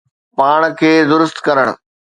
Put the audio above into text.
پاڻ کي درست ڪرڻ